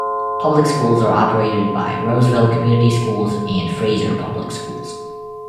Public schools are operated by Roseville Community Schools and Fraser Public Schools.